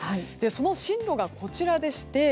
その進路がこちらでして。